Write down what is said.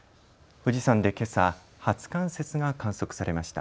富士山でけさ、初冠雪が観測されました。